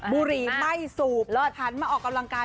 สีไหม้สูบหันมาออกกำลังกาย